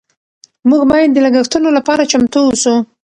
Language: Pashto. موږ باید د لګښتونو لپاره چمتو اوسو.